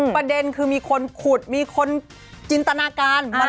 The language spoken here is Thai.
ประเด็นคือมีคนขุดมีคนจินตนาการ